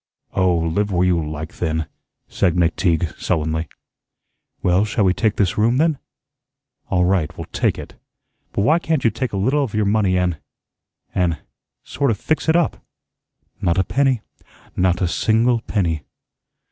"Oh, live where you like, then," said McTeague, sullenly. "Well, shall we take this room then?" "All right, we'll take it. But why can't you take a little of your money an' an' sort of fix it up?" "Not a penny, not a single penny."